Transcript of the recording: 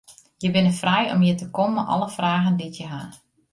Je binne frij om hjir te kommen mei alle fragen dy't je ha.